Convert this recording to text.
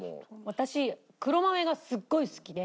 私黒豆がすっごい好きで。